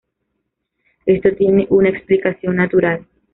Esto tiene una explicación natural.